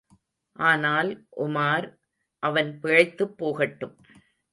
ஆனால், உமார், அவன் பிழைத்துப் போகட்டும்.